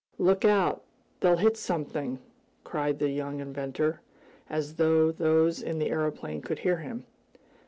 "Look out! They'll hit something!" cried the young inventor, as though those in the aeroplane could hear him.